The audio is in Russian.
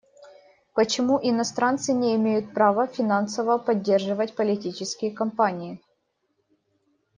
Почему иностранцы не имеют права финансово поддерживать политические кампании?